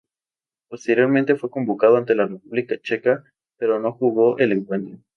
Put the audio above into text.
Posteriormente fue convocado ante la República Checa, pero no jugó el encuentro.